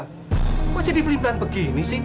gak bisa di film film begini sih